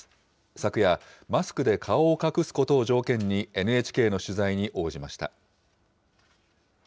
昨夜、マスクで顔を隠すことを条件に、ＮＨＫの取材に応じました。